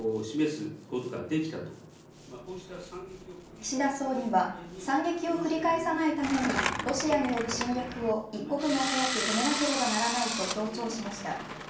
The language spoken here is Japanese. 岸田総理は惨劇を繰り返さないためにロシアによる侵略を一刻も早く止めなければならないと強調しました。